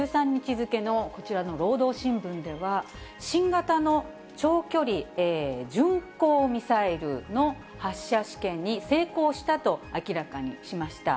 付のこちらの労働新聞では、新型の長距離巡航ミサイルの発射試験に成功したと明らかにしました。